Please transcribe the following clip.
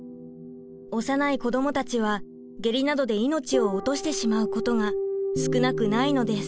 幼い子どもたちは下痢などで命を落としてしまうことが少なくないのです。